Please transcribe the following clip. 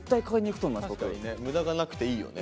無駄がなくていいよね。